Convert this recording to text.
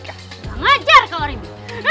aku akan menghajar kamu